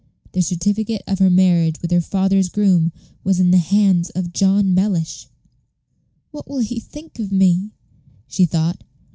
The certificate of her marriage with her father's groom was in the hands of John Mellish. "What will he think of me?" she thought.